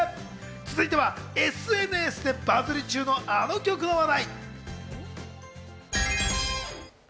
続いてはＳＮＳでバズり中の、あの曲の話題。